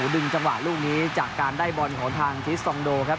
ดึงจังหวะลูกนี้จากการได้บอลของทางทิสตองโดครับ